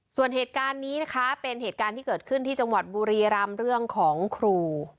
ส่วนเหตุการณ์นี้นะคะเป็นเหตุการณ์ที่เกิดขึ้นที่จังหวัดบุรีรำเรื่องของครู